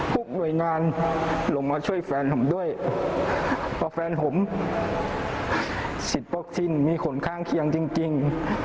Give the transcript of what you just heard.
เพราะแฟนผมสิทธิ์ปกทิศมีขนข้างเคียงจริง